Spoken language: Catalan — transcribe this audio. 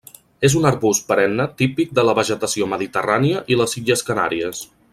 És un arbust perenne típic de la vegetació mediterrània i les Illes Canàries.